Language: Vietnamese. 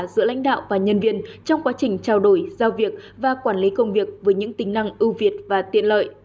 giữa lãnh đạo và nhân viên trong quá trình trao đổi giao việc và quản lý công việc với những tính năng ưu việt và tiện lợi